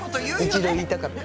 一度言いたかった。